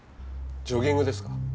ジョギングですか？